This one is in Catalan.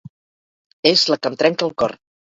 És la que em trenca el cor.